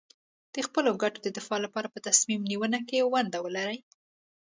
د خپلو ګټو د دفاع لپاره په تصمیم نیونه کې ونډه ولري.